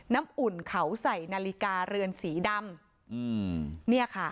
น้ำอุ่นเขาใส่นาฬิกาเรือนสีดำ